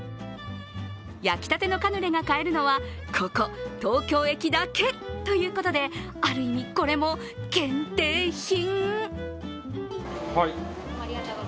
焼きたてのカヌレが買えるのはここ東京駅だけということである意味、これも限定品！？